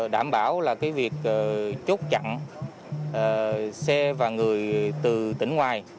đảm bảo là cái việc chốt chặn xe và người từ tỉnh ngoài